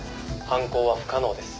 「犯行は不可能です。